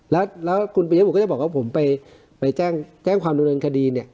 แล้วแล้วคุณปียบุกก็จะบอกว่าผมไปไปแจ้งแจ้งความรู้เรียนคดีเนี้ย